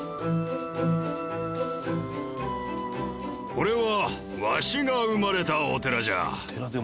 これはワシが生まれたお寺じゃ。